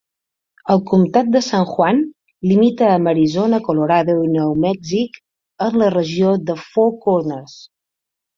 El comtat de San Juan limita amb Arizona, Colorado i Nou Mèxic en la regió de Four Corners.